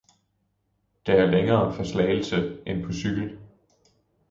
Der er længere fra Slagelse end på cykel